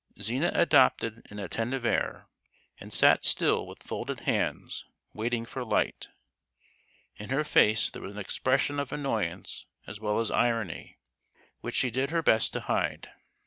Zina adopted an attentive air, and sat still with folded hands, waiting for light. In her face there was an expression of annoyance as well as irony, which she did her best to hide.